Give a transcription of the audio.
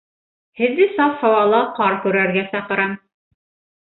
Һеҙҙе саф һауала ҡар көрәргә саҡырам.